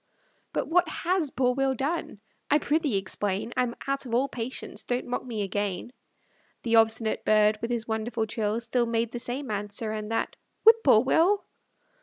But what HAS poor Will done? I prithee explain; I'm out of all patience, don't mock me again. The obstinate bird, with his wonderful trill, Still made the same answer, and that, "Whip poor Will."